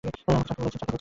আমাকে ছাড়তে বলেছি!